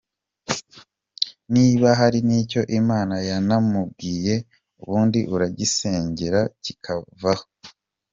Niba hari n’icyo Imana yanamubwiye ubundi uragisengera kikavaho.